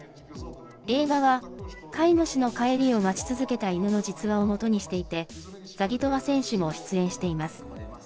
映画は飼い主の帰りを待ち続けた犬の実話を基にしていて、ザギトワ選手も出演しています。